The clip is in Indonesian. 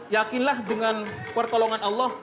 yakinlah dengan pertolongan allah